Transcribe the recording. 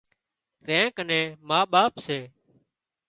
زين ڪنين ما ٻاپ سي